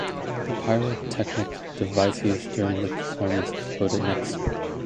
A pyrotechnic device used during the performance exploded next to her.